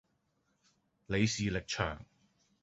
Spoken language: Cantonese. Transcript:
李氏力場